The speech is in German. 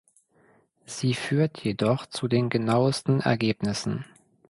Sie führt jedoch zu den genauesten Ergebnissen.